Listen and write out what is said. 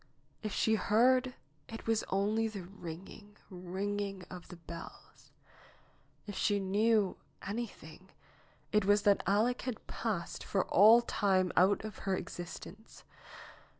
If she heard, it was only the ringing, ringing of the bells ! If she knew anything, it was that Aleck had passed for all time out of her existence.